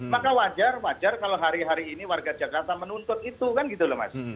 maka wajar wajar kalau hari hari ini warga jakarta menuntut itu kan gitu loh mas